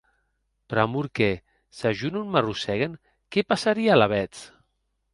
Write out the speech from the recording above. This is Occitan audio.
Pr'amor que, s'a jo non m'arrossèguen, qué passarie alavetz?